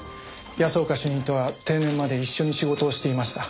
安岡主任とは定年まで一緒に仕事をしていました。